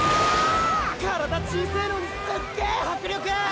体小せぇのにすっげぇ迫力！！